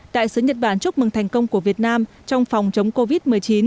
đại sứ nhật bản chúc mừng thành công của việt nam trong phòng chống covid một mươi chín